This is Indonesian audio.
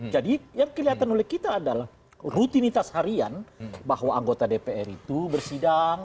jadi yang kelihatan oleh kita adalah rutinitas harian bahwa anggota dpr itu bersidang